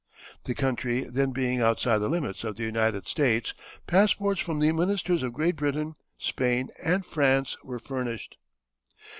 The country then being outside the limits of the United States, passports from the ministers of Great Britain, Spain, and France were furnished.